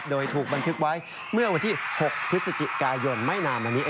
โดยถูกบันทึกไว้เมื่อวันที่๖พฤศจิกายนไม่นานมานี้